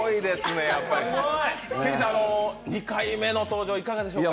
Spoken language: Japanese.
ＫＥＬＬＹさん、２回目の登場いかがでしょうか？